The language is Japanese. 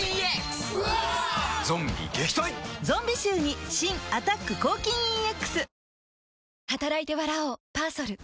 ゾンビ臭に新「アタック抗菌ＥＸ」